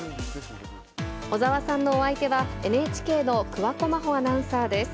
小澤さんのお相手は、ＮＨＫの桑子真帆アナウンサーです。